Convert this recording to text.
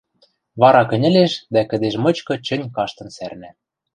Вара кӹньӹлеш дӓ кӹдеж мычкы чӹнь каштын сӓрнӓ.